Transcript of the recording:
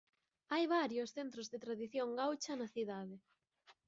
Hai varios "Centros de Tradición Gaucha" na cidade.